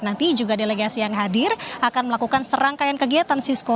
nanti juga delegasi yang hadir akan melakukan serangkaian kegiatan sisko